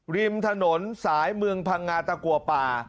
ริมถนนสายเมืองพังงาตะกัวป่า